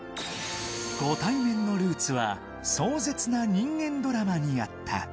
ご対面のルーツは、壮絶な人間ドラマにあった。